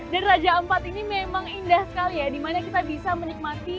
dan raja ampat ini memang indah sekali ya dimana kita bisa menikmati